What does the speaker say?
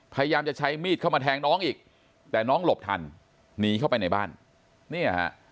พยายามจะใช้มีดเข้ามาแทงน้องอีกแต่น้องหลบทันหนีเข้าไปในบ้านเนี่ยฮะ